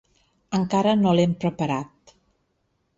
Encara no l'hem preparat.